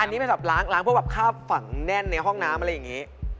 อันนี้เป็นแบบล้างพวกแบบคาบฝังแน่นในห้องน้ำอะไรอย่างนี้